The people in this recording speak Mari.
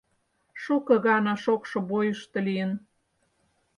Шуко гана шокшо бойышто лийын.